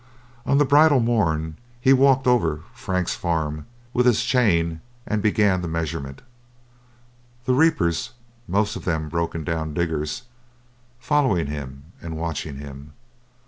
On the bridal morn he walked over Frank's farm with his chain and began the measurement, the reapers, most of them broken down diggers, following him and watching him.